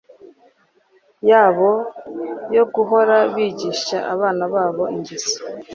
yabo yo guhora bigisha abana babo ingeso